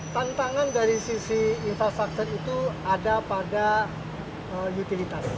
tantangan dari sisi infrastruktur itu ada pada utilitas